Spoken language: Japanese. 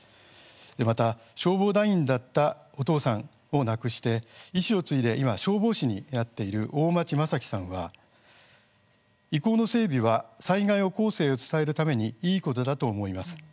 また消防団員だったお父さんを亡くして遺志を継いで今、消防士になっている大町真樹さんは遺構の整備は災害を後世に伝えるためにいいことだと思います。